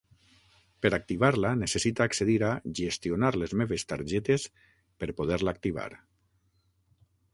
Per activar-la necessita accedir a 'Gestionar les meves targetes'per poder-la activar.